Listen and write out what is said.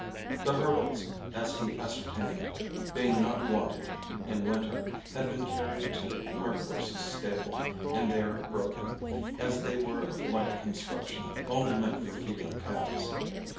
The hurdles, as he ascertained, being not wanted in winter, had been carried to the cart horses' stable; and there broken, as they were of light construction, only meant for feeding calves.